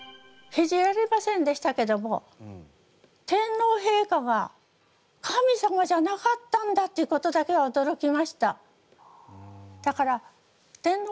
信じられませんでしたけども天皇陛下が神様じゃなかったんだってことだけは驚きました。